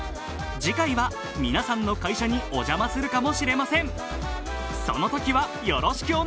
次回は皆さんの会社にお邪魔するかもしれませんそのときはよろしくお願いします！